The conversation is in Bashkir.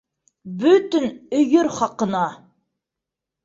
Бөтөн өйөр хаҡына!